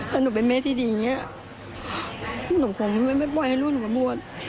ถ้าหนูเป็นแม่ที่ดีอย่างนี้หนูคงไม่ปล่อยให้ลูกหนูก็บวช